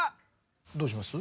どうします？